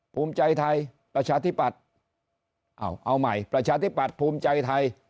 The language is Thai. ภูมิใจไทยประชาธิปัตย์เอาใหม่ประชาธิปัตย์ภูมิใจไทย